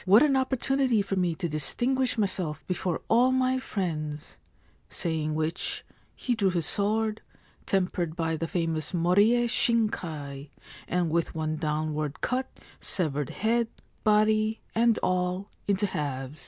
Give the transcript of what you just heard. What an opportunity for me to distinguish myself before all my friends !' Saying which, he drew his sword, tempered by the famous Moriye Shinkai, and with one downward cut severed head, body, and all, into halves.